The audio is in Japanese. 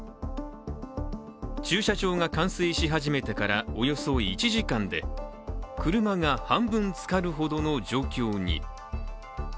駐車場が冠水し始めてからおよそ１時間で車が半分つかるほどの状況に。